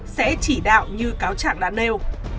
sẽ chỉ đạo như cáo trạng đã nêu